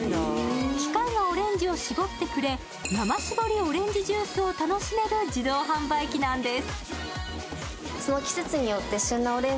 機械がオレンジを搾ってくれ、生搾りオレンジジュースを楽しめる自動販売機なんです。